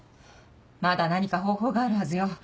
まだ何か方法があるはずよ